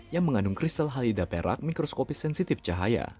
yang mengandung kristal halida perak mikroskopis sensitif cahaya